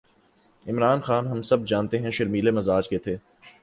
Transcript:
عمران خان، ہم سب جانتے ہیں کہ شرمیلے مزاج کے تھے۔